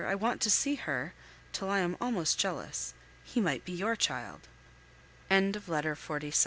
I want to see her," till I am almost jealous. He might be your child! SECOND PART XLVIII.